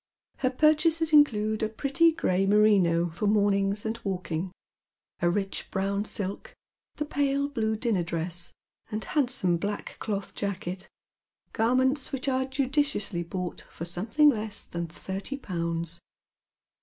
Her pur chases include a pretty gray merino for mornings and walking, a rich brown silk, the pale blue dinner dress, and handsome black cloth jacket, garments which are judiciously bought for some thing less tljun thirty pounds.